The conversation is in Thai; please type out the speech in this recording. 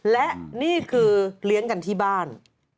และนี่คือเลี้ยงกันที่บ้าน